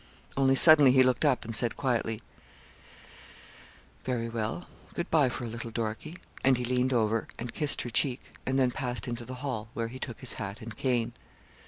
Only suddenly he looked up, and said quietly, 'Very well. Good bye for a little, Dorkie,' and he leaned over her and kissed her cheek, and then passed into the hall, where he took his hat and cane.